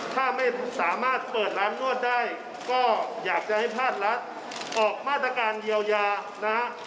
ถ้าไม่สามารถเปิดร้านนวดได้ก็อยากจะให้ภาครัฐออกมาตรการเยียวยานะฮะ